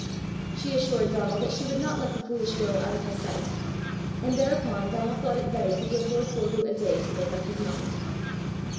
She assured Donal that she would not let the foolish girl out of her sight; and thereupon Donal thought it better to give lord Forgue a day to make up his mind.